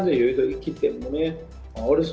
dan saya juga bisa memperbaiki kemahiran saya